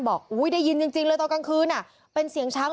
บอกอุ้ยได้ยินจริงจริงเลยตอนกลางคืนอ่ะเป็นเสียงช้าง